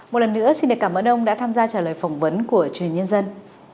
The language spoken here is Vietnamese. một lần nữa xin cảm ơn ông đã tham gia trả lời phỏng vấn của chuyên nhân dân